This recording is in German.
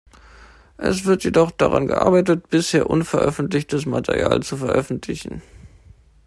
Es wird jedoch daran gearbeitet, bisher unveröffentlichtes Material zu veröffentlichen.